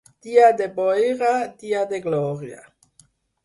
Dia de boira, dia de glòria.